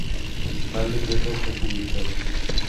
Tal decreto fue publicado.